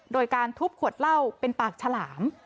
โดยการทุบขวดเหล้าเป็นปากฉลาม